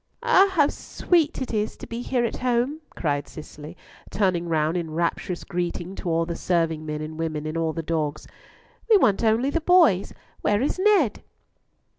"Ah, how sweet to be here at home," cried Cicely, turning round in rapturous greeting to all the serving men and women, and all the dogs. "We want only the boys! Where is Ned?"